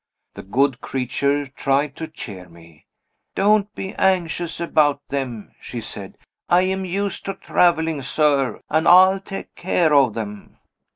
The good creature tried to cheer me. "Don't be anxious about them," she said; "I am used to traveling, sir and I'll take care of them."